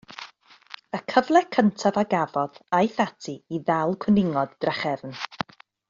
Y cyfle cyntaf a gafodd, aeth ati i ddal cwningod drachefn.